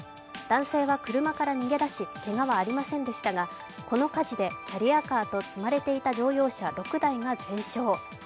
男性は車から逃げ出しけがはありませんでしたがこの火事でキャリアカーと積まれていた乗用車６台が全焼。